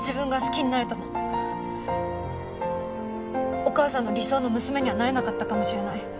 お母さんの理想の娘にはなれなかったかもしれない。